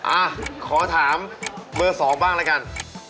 อ่ะขอถามเบอร์สองบ้างแล้วกัน